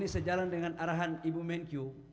sejalan dengan arahan ibu menkyu